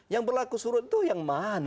yang berlaku surut itu yang mana